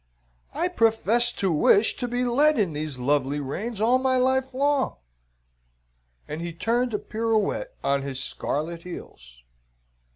I professed to wish to be led in these lovely reins all my life long," and he turned a pirouette on his scarlet heels.